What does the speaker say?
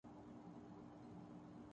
پیاس لَگ رہی